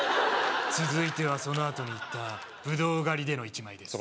続いてはそのあとに行ったブドウ狩りでの１枚です